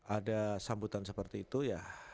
ada sambutan seperti itu ya